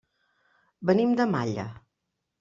Venim de Malla.